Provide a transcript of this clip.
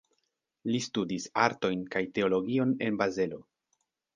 Li studis artojn kaj teologion en Bazelo.